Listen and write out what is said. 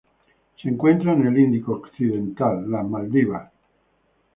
Se encuentra en el Índico occidental: las Maldivas.